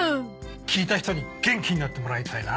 聴いた人に元気になってもらいたいな。